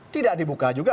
tidak dibuka juga